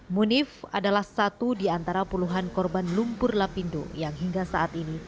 munif adalah satu di antara puluhan korban lumpur lapindo yang hingga saat ini